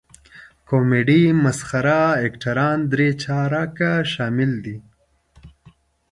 کمیډي مسخره اکټران درې چارکه شامل دي.